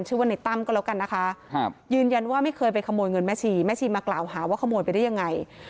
ชื่อว่าในตั้มก็แล้วกันนะคะยืนยันว่าไม่เคยไปขโมยเงินแม่ชีแม่ชีมากล่าวหาว่าขโมยไปได้ยังไง